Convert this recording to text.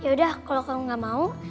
yaudah kalau kamu enggak mau